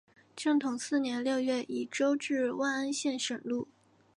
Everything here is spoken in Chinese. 正统四年六月以州治万安县省入。